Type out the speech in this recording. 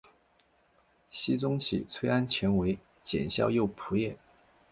僖宗起崔安潜为检校右仆射。